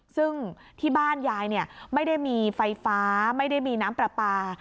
ซึ่งที่บ้านยายไม่ได้มีไฟฟ้าไม่ได้มีน้ำปลาปลา